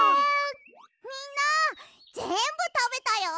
みんなぜんぶたべたよ。